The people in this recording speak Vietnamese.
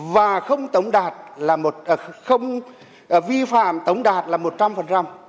và không tống đạt là một trăm linh